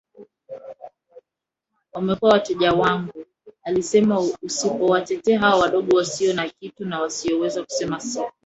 wamekuwa wateja wangu alisemaUsipowatetea hawa wadogo wasio na kitu na wasioweza kusema siku